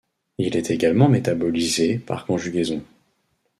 Il est également métabolisé par conjugaison.